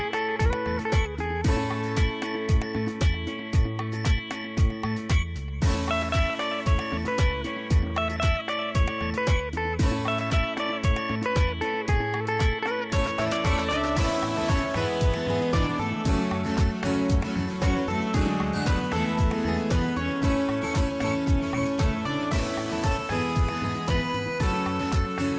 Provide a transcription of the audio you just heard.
โปรดติดตามพี่สิบมาหันสวัสดีครับ